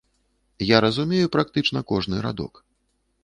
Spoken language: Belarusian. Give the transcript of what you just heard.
Я разумею практычна кожны радок.